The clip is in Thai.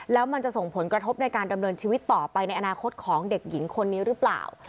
แล้วมันจะส่งผลกระทบในการดำเนินชีวิตต่อไปในอนาคตของเด็กหญิงคนนี้หรือเปล่า